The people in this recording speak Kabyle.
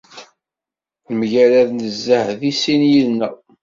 Nemgarad nezzeh deg sin yid-neɣ.